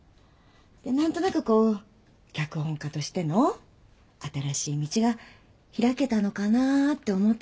何となくこう脚本家としての新しい道が開けたのかなって思ってたし。